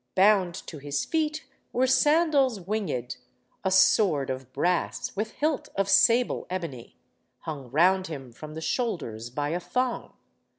Bound to his feet were sandals wing'd; a sword Of brass, with hilt of sable ebony, Hung round him from the shoulders by a thong.